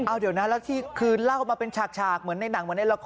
เอาเดี๋ยวนะแล้วที่คือเล่ามาเป็นฉากเหมือนในหนังเหมือนในละคร